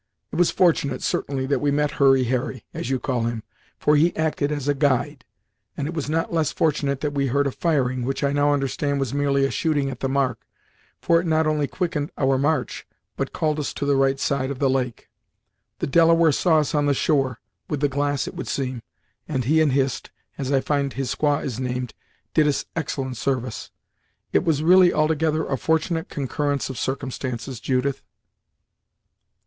It was fortunate, certainly, that we met Hurry Harry, as you call him, for he acted as a guide, and it was not less fortunate that we heard a firing, which I now understand was merely a shooting at the mark, for it not only quickened our march, but called us to the right side of the lake. The Delaware saw us on the shore, with the glass it would seem, and he and Hist, as I find his squaw is named, did us excellent service. It was really altogether a fortunate concurrence of circumstances, Judith."